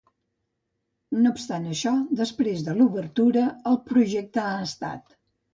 No obstant això, després de l'obertura, el projecte ha estat.